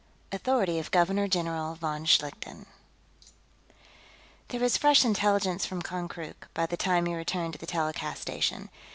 VIII. Authority of Governor General von Schlichten There was fresh intelligence from Konkrook, by the time he returned to the telecast station.